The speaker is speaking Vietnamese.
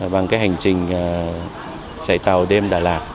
bằng cái hành trình chạy tàu đêm đà lạt